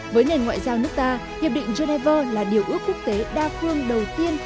với nền ngoại giao nước ta hiệp định geneva là điều ước quốc tế đa phương đầu tiên